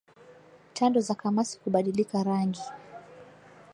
Tando za kamasi kubadilika rangi